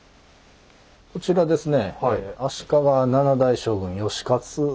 こちらですね